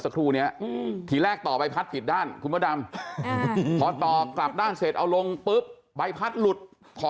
กำลังไปเจ้าหน้าที่กำลังไปซื้อทูบ